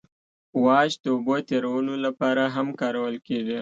واش د اوبو تیرولو لپاره هم کارول کیږي